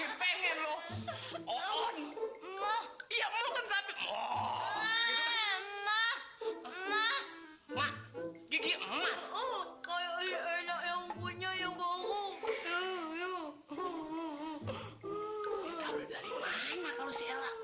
adikku dia bilang aku memang asik